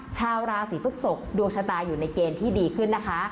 ชาวราศีพฤกษกดวงชะตาอยู่ในเกณฑ์ที่ดีขึ้นนะคะ